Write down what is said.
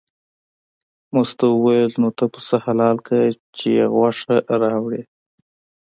مستو وویل نو ته پسه حلال که چې یې غوښه راوړې.